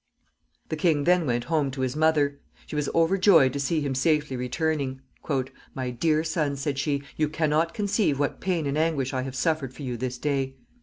The king then went home to his mother. She was overjoyed to see him safely returning. "My dear son," said she, "you can not conceive what pain and anguish I have suffered for you this day."